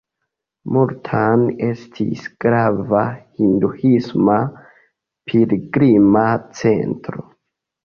Multan estis grava hinduisma pilgrima centro.